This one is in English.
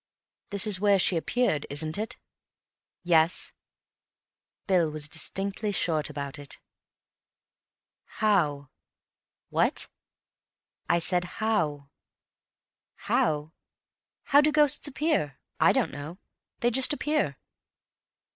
This is where she appeared, isn't it?" "Yes." Bill was distinctly short about it. "How?" "What?" "I said, 'How?'" "How? How do ghosts appear? I don't know. They just appear."